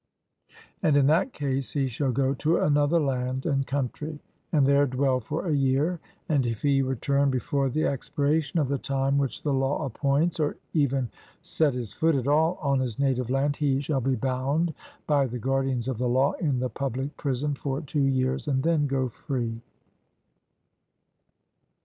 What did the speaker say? And in that case he shall go to another land and country, and there dwell for a year; and if he return before the expiration of the time which the law appoints, or even set his foot at all on his native land, he shall be bound by the guardians of the law in the public prison for two years, and then go free.